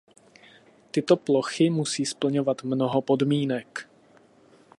Tyto plochy musí splňovat mnoho podmínek.